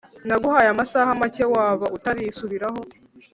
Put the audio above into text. nguhaye amasaha make waba utarisubiraho